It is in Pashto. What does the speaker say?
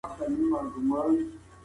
په کور کي د درس لپاره بل څوک نه مجبورېږي.